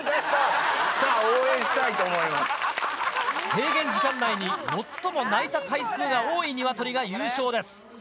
制限時間内に最も鳴いた回数が多いニワトリが優勝です。